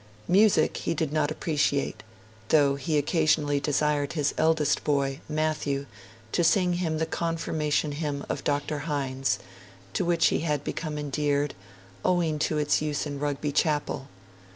Music he did not appreciate, though he occasionally desired his eldest boy, Matthew, to sing him the Confirmation Hymn of Dr. Hinds, to which he had become endeared, owing to its use in Rugby Chapel.